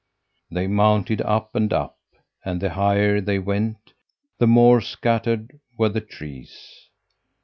"They mounted up and up, and the higher they went the more scattered were the trees.